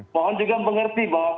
mohon juga mengerti bahwa